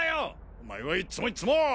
お前はいっつもいっつも！